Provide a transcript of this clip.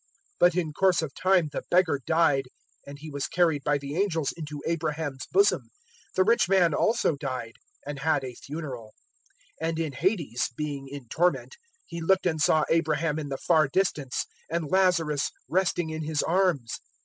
016:022 "But in course of time the beggar died; and he was carried by the angels into Abraham's bosom. The rich man also died, and had a funeral. 016:023 And in Hades, being in torment, he looked and saw Abraham in the far distance, and Lazarus resting in his arms.